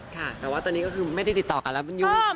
ค่ะแต่ว่าตอนนี้ก็คือไม่ได้ติดต่อกันแล้วมันอยู่